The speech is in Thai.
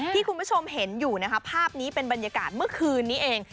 ที่คุณผู้ชมเห็นอยู่นะคะภาพนี้เป็นบรรยากาศเมื่อคืนนี้เอง